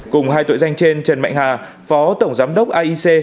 cùng hai tội danh trên trần mạnh hà phó tổng giám đốc aic